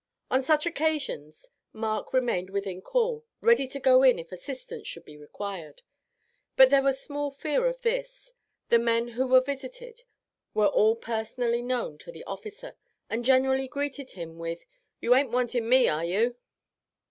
On such occasions Mark remained within call, ready to go in if assistance should be required; but there was small fear of this, the men who were visited were all personally known to the officer, and generally greeted him with "You aint wanting me, are you?"